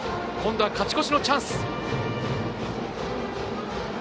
今度は勝ち越しのチャンス。